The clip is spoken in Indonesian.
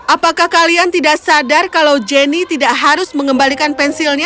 apakah kalian tidak sadar kalau jenny tidak harus mengembalikan pensilnya